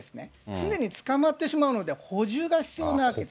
常に捕まってしまうので、補充が必要なわけです。